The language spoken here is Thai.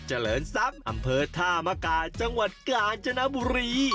เจริญทรัพย์อำเภอท่ามกาจังหวัดกาญจนบุรี